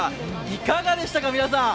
いかがでしたか、皆さん。